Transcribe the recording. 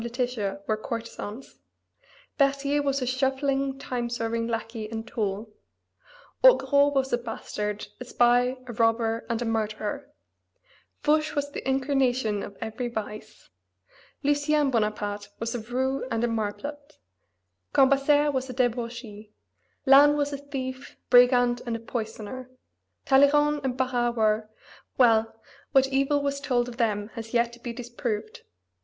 Letitia were courtesans; Berthier was a shuffling, time serving lackey and tool; Augereau was a bastard, a spy, a robber, and a murderer; Fouche was the incarnation of every vice; Lucien Bonaparte was a roue and a marplot; Cambaceres was a debauchee; Lannes was a thief, brigand, and a poisoner; Talleyrand and Barras were well, what evil was told of them has yet to be disproved.